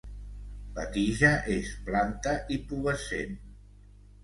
La tija és planta i pubescent.